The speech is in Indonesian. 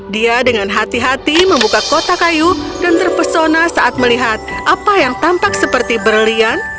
dia dengan hati hati membuka kotak kayu dan terpesona saat melihat apa yang tampak seperti berlian